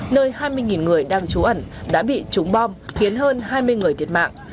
nơi hai mươi người đang trú ẩn đã bị trúng bom khiến hơn hai mươi người thiệt mạng